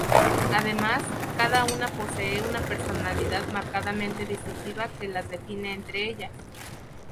Además, cada una posee una personalidad marcadamente distintiva que las define entre ellas.